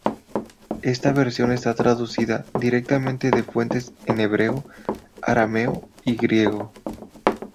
Esta versión está traducida directamente de fuentes en hebreo, arameo y griego.